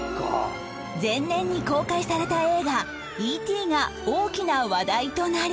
前年に公開された映画『Ｅ．Ｔ．』が大きな話題となり